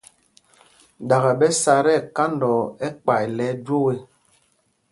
Ɗakɛ ɓɛ sá tí ɛkandɔɔ ɛkpay lɛ ɛjwoo ê.